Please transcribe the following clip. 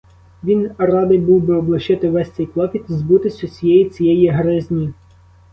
Він радий був би облишити увесь цей клопіт, збутись усієї цієї гризні.